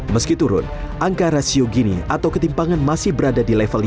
meski turun angka rasio gini atau ketimpangan masih berada di level lima